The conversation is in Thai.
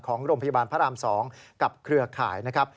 ของโรงพยาบาลพระราม๒กับเครือข่ายนะครับ